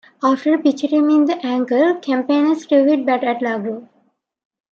After a pitch hit him in the ankle, Campaneris threw his bat at LaGrow.